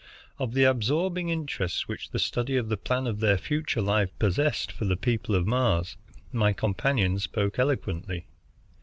Of the absorbing interest which the study of the plan of their future lives possessed for the people of Mars, my companion spoke eloquently.